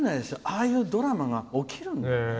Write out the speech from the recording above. ああいうドラマが起きるんだからね。